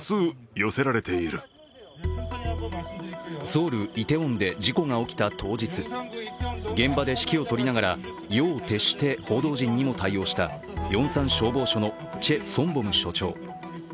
ソウル・イテウォンで事故が起きた当日、現場で指揮を執りながら夜を徹して報道陣にも対応したヨンサン消防署のチェ・ソンボム署長。